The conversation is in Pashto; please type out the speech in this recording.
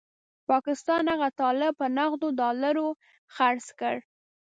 پاکستان هغه طالب په نغدو ډالرو خرڅ کړ.